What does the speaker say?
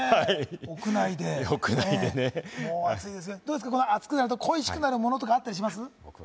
屋内で暑くなると恋しくなるものあったりします？